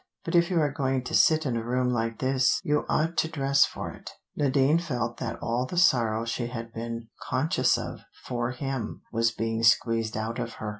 "But if you are going to sit in a room like this, you ought to dress for it." Nadine felt that all the sorrow she had been conscious of for him was being squeezed out of her.